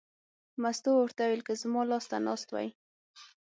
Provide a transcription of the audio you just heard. مستو ورته وویل: که زما لاس ته ناست وای.